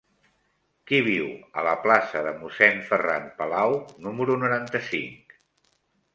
Qui viu a la plaça de Mossèn Ferran Palau número noranta-cinc?